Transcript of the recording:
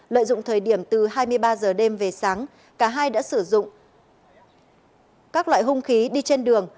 lợi dụng thời điểm từ hai mươi ba giờ đêm về sáng cả hai đã sử dụng các loại hung khí đi trên đường